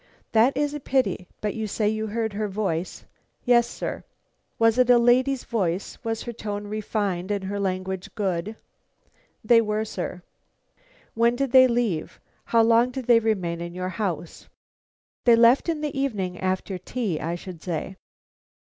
"That is a pity. But you say you heard her voice." "Yes, sir." "Was it a lady's voice? Was her tone refined and her language good?" "They were, sir." "When did they leave? How long did they remain in your house?" "They left in the evening; after tea, I should say."